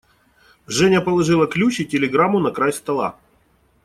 Женя положила ключ и телеграмму на край стола.